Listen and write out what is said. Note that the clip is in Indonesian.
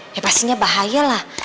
ya pastinya bahaya lah